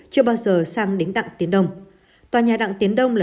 chưa bao giờ sang đến đặng tiến đông